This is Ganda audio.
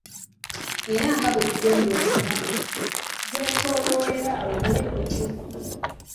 Era nga bwe tugenda okulaba, gwetooloolera awo bwe gutyo.